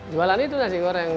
jualan itu nasi goreng